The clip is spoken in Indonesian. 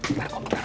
udah udah udah